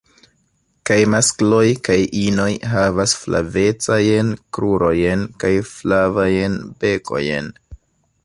Kaj maskloj kaj inoj havas flavecajn krurojn kaj flavajn bekojn.